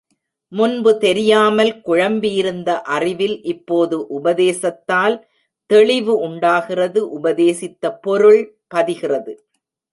முன்பு தெரியாமல் குழம்பியிருந்த அறிவில் இப்போது உபதேசத்தால் தெளிவு உண்டாகிறது உபதேசித்த பொருள் பதிகிறது.